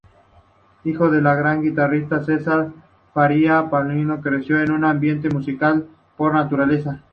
Hijo del gran guitarrista Cesar Faria, Paulinho creció en un ambiente musical por naturaleza.